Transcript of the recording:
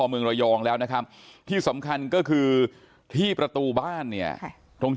เมืองระยองแล้วนะครับที่สำคัญก็คือที่ประตูบ้านเนี่ยตรง